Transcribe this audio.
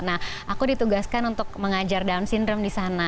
nah aku ditugaskan untuk mengajar down syndrome di sana